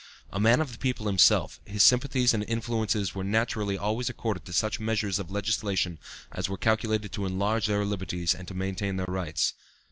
A man of the people himself, his sympathies and influences were naturally always accorded to such measures of legislation as were calculated to enlarge their liberties and to maintain their rights.